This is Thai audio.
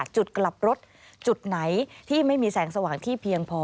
จุดกลับรถจุดไหนที่ไม่มีแสงสว่างที่เพียงพอ